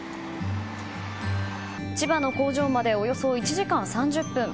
千葉の工場までおよそ１時間３０分。